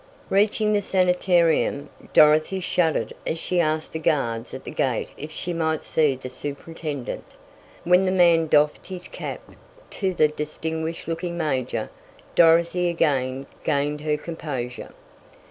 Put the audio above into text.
Reaching the sanitarium, Dorothy shuddered as she asked the guards at the gate if she might see the superintendent, but when the man doffed his cap to the distinguished looking major, Dorothy again gained her composure.